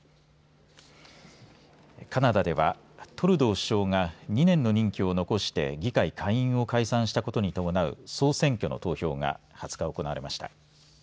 カナダではトルドー首相が２年の任期を残して議会下院を解散したことに伴う総選挙の投票が２０日行われました。